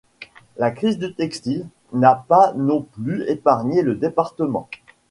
La crise du textile n'a pas non plus épargné le département.